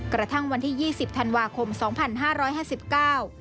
กระทั่งวันที่ยี่สิบธันวาคมสองพันห้าร้อยห้าสิบเก้า